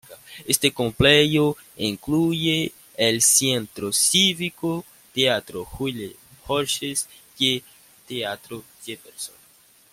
Este complejo incluye el Centro Cívico, Teatro Julie Rogers y el Teatro Jefferson.